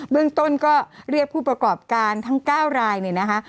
เรื่องต้นก็เรียกผู้ประกอบการทั้ง๙รายเนี่ยนะคะ